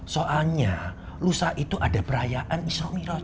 soalnya lusa itu ada perayaan isro miroj